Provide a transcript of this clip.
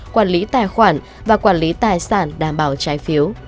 quản lý tài khoản và quản lý tài sản đảm bảo trái phiếu